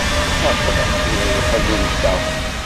Aql-aɣ tura weḥd-nteɣ.